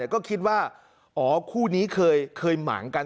ก็คิดว่าอ๋อคู่นี้เคยหมางกัน